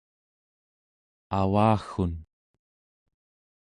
avaggun